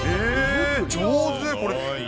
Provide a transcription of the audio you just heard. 上手、これ。